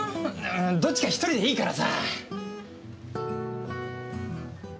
どっちか１人でいいからさ。